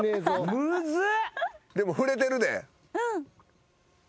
でも振れてるで。